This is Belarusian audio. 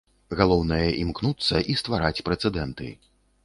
Галоўнае імкнуцца і ствараць прэцэдэнты.